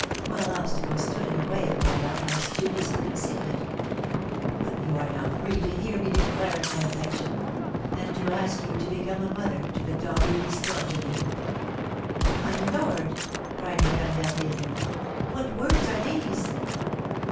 While obstacles stood in the way of my love I studiously concealed it; but you are now free to hear me declare my affection, and to ask you to become a mother to the daughter you restore to me." "My lord," cried Madame d'Harville, "what words are these?"